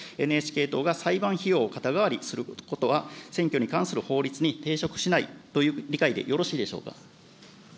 ＮＨＫ党が裁判費用を肩代わりすることは、選挙に関する法律に抵触しないという理解でよろしいでしょうか。